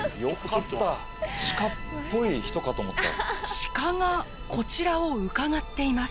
鹿がこちらをうかがっています。